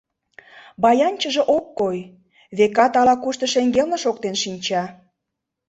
Баянчыже ок кой, векат, ала-кушто шеҥгелне шоктен шинча.